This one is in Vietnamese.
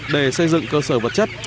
để xây dựng cơ sở vật chất